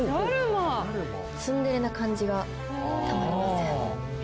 ツンデレな感じがたまりません。